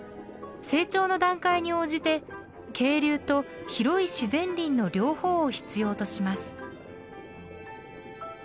成長の段階に応じて渓流と広い自然林の両方を必要とします。